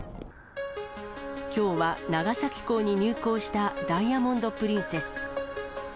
きょうは長崎港に入港したダイヤモンド・プリンセス。